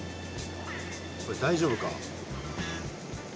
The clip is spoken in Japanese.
これ大丈夫か？